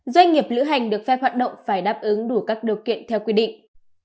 doanh nghiệp lữ hành được phép hoạt động phải đáp ứng đủ các điều kiện theo quy định